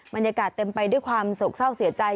บรรยากาศเต็มไปด้วยความโศกเศร้าเสียใจ